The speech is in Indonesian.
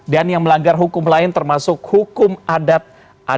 dan yang melanggar hukum lain termasuk hukum adatnya